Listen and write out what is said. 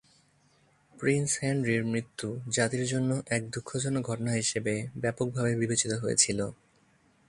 Prince হেনরির মৃত্যু জাতির জন্য এক দুঃখজনক ঘটনা হিসেবে ব্যাপকভাবে বিবেচিত হয়েছিল।